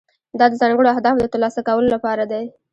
دا د ځانګړو اهدافو د ترلاسه کولو لپاره دی.